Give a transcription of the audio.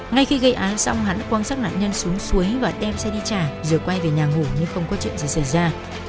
ngay khi gây án xong hắn quan sát nạn nhân xuống suối và đem xe đi trả rồi quay về nhà ngủ nhưng không có chuyện gì xảy ra